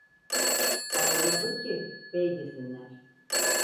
Ağır otur ki bey desinler.